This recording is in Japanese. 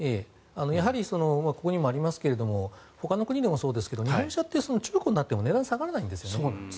やはりここにもありますがほかの国でもそうですが日本車って中古になっても値段が下がらないんですね。